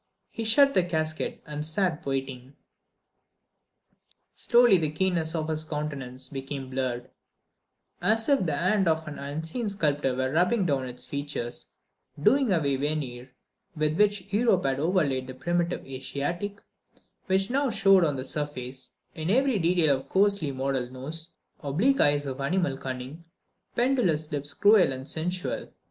He shut the casket and sat waiting. Slowly the keenness of his countenance became blurred, as if the hand of an unseen sculptor were rubbing down its features, doing away the veneer with which Europe had overlaid the primitive Asiatic, which now showed on the surface, in every detail of coarsely modelled nose, oblique eyes of animal cunning, pendulous lips cruel and sensual.